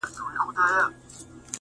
نن یې ریشا داسي راته وویل ,